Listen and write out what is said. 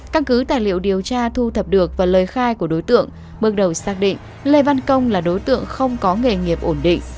căn cứ tài liệu điều tra thu thập được và lời khai của đối tượng bước đầu xác định lê văn công là đối tượng không có nghề nghiệp ổn định